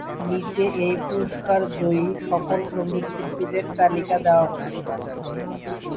নিচে এই পুরস্কার জয়ী সকল সঙ্গীতশিল্পীদের তালিকা দেওয়া হলঃ